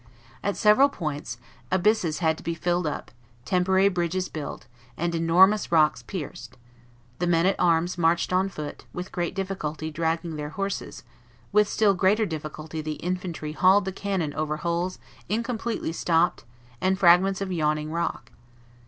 At several points, abysses had to be filled up, temporary bridges built, and enormous rocks pierced; the men at arms marched on foot, with great difficulty dragging their horses; with still greater difficulty the infantry hauled the cannon over holes incompletely stopped and fragments of yawning rock.